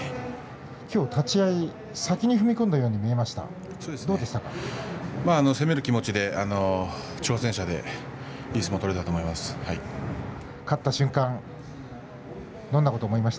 きょう、立ち合い先に踏み込んだように見えました攻める気持ちで挑戦者でいい相撲を取れたと思います。